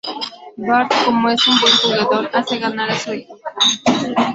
Bart, como es un buen jugador, hace ganar a su equipo.